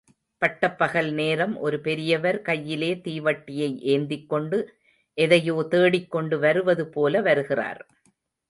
பட்டப்பகல் நேரம் ஒரு பெரியவர் கையிலே தீவட்டியை ஏந்திக்கொண்டு எதையோ தேடிக்கொண்டு வருவது போல வருகிறார்.